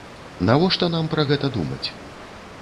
Навошта нам пра гэта думаць?